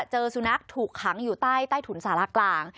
เจอสุนัขถูกขังอยู่ใต้ถุนสารกลาง